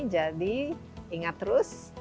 jadi ingat terus